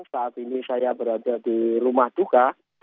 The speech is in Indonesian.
saat ini saya berada di rumah duka